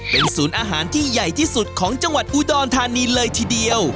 เป็นศูนย์อาหารที่ใหญ่ที่สุดของจังหวัดอุดรธานีเลยทีเดียว